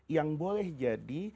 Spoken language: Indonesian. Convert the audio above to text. yang boleh jadi